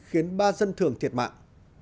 khiến ba dân thường thiệt mạng